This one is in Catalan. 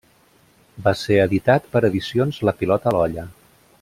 Va ser editat per Edicions La Pilota a l'Olla.